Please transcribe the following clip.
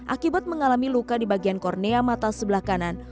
akibat mengalami luka di bagian kornea mata sebelah kanan